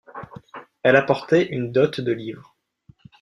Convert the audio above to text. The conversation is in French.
Elle apportait une dot de livres.